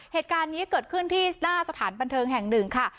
เหตุการณ์นี้เกิดขึ้นที่หน้าสถานบันเทิงแห่งหนึ่งค่ะ